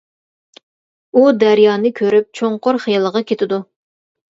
ئۇ دەريانى كۆرۈپ چوڭقۇر خىيالغا كېتىدۇ.